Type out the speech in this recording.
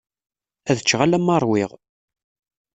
Ad ččeɣ alamma ṛwiɣ.